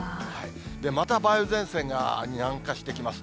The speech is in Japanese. また梅雨前線が南下してきます。